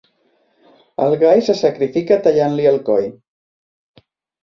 El gall se sacrifica tallant-li el coll.